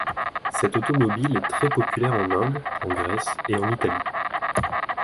Cette automobile est très populaire en Inde, en Grèce et en Italie.